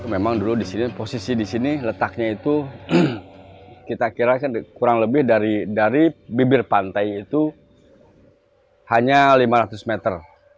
memang dulu di sini posisi di sini letaknya itu kita kira kurang lebih dari bibir pantai itu hanya lima ratus meter